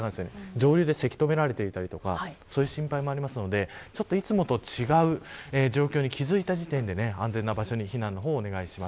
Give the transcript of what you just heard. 上流でせき止められていたりとかそういう心配もあるのでいつもと違う状況に気付いた時点で、安全な場所に避難をお願いします。